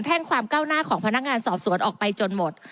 ่งความก้าวหน้าของพนักงานสอบสวนออกไปจนหมด